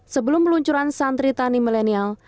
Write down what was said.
sebelum peluncuran santri tani milenial